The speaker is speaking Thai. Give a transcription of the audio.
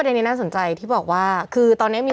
อันนี้น่าสนใจที่บอกว่าคือตอนนี้มี